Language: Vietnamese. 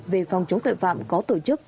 về phòng chống tội phạm có tổ chức